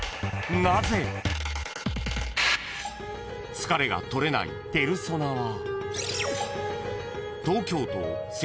［疲れが取れないペルソナは］